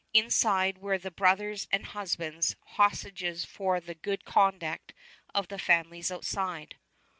Inside were the brothers and husbands, hostages for the good conduct of the families outside.